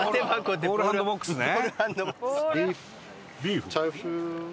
ボールハンドボックスね。